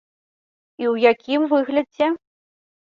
І ў якім выглядзе?